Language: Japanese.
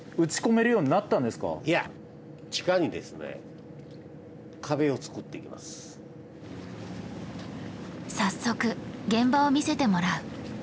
いや早速現場を見せてもらう。